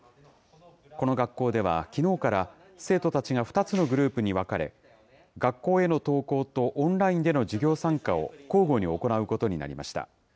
この学校では、きのうから生徒たちが２つのグループに分かれ、学校への登校とオンラインでの授業参加を交互に行うことになりました。